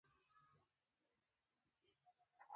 د ترياكو ترخه وږم له لاندې.